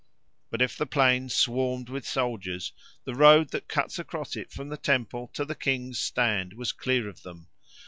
But if the plain swarmed with soldiers, the road that cuts across it from the temple to the king's stand was clear of them.